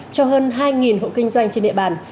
cho hơn hai hộ kinh doanh trên địa bàn